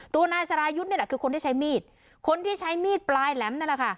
ตัวนายสรายุทธ์นี่แหละคือคนที่ใช้มีดคนที่ใช้มีดปลายแหลมนั่นแหละค่ะ